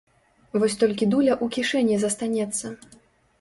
Вось толькі дуля ў кішэні застанецца.